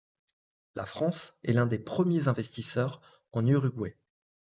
La France est l'un des premiers investisseurs en Uruguay.